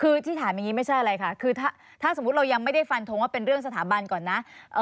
คือที่ถามอย่างนี้ไม่ใช่อะไรค่ะคือถ้าสมมุติเรายังไม่ได้ฟันทงว่าเป็นเรื่องสถาบันก่อนนะ